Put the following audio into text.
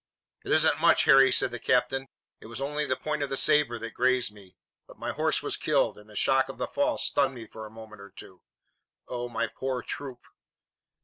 "It isn't much, Harry," said the captain. "It was only the point of the sabre that grazed me, but my horse was killed, and the shock of the fall stunned me for a moment or two. Oh, my poor troop!"